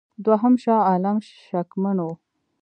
دوهم شاه عالم شکمن وو.